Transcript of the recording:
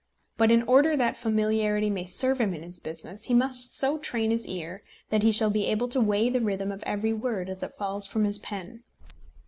But in order that familiarity may serve him in his business, he must so train his ear that he shall be able to weigh the rhythm of every word as it falls from his pen.